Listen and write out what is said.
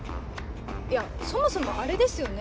いやそもそもあれですよね。